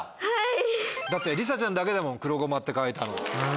だってりさちゃんだけだもん「黒ゴマ」って書いたの。